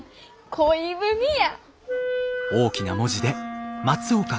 恋文や！